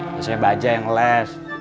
biasanya baja yang ngeles